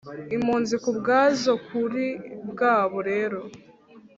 impunzi ubwazo. kuri bwabo rero,